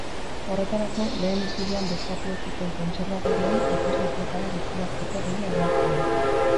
Horretarako, lehen itzulian bozkatu ez zuten kontserbadoreei hauteslekuetara gerturatzeko deia egin zien.